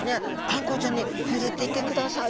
あんこうちゃんにふれてみてください。